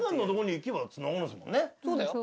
そうだよ。